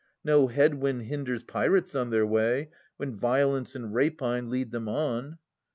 No head wind hinders pirates on their way. When violence and rapine lead them on.